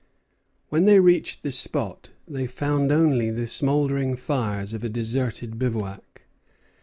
When they reached the spot, they found only the smouldering fires of a deserted bivouac.